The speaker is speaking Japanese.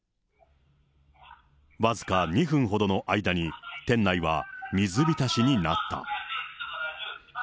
僅か２分ほどの間に、店内は水浸しになった。